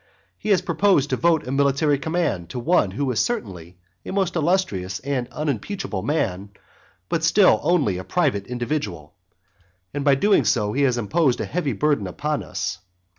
He has proposed to vote a military command to one who is certainly a most illustrious and unimpeachable man, but still only a private individual. And by doing so he has imposed a heavy burden upon us.